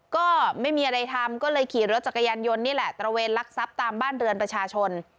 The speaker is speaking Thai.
ก็ไม่มีอะไรทำก็เลยขี่รถจักรยานยนต์นี่แหละตระเวนลักทรัพย์ตามบ้านเรือนประชาชน